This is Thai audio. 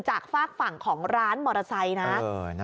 ฝากฝั่งของร้านมอเตอร์ไซค์นะ